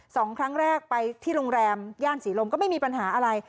สองครั้งแรกไปที่โรงแรมย่านศรีลมก็ไม่มีปัญหาอะไร